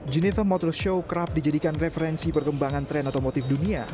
jenifha motor show kerap dijadikan referensi perkembangan tren otomotif dunia